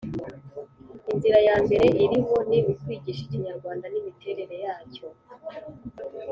Inzira ya mbere iriho ni ukwigisha ikinyarwanda n’imiterere yacyo.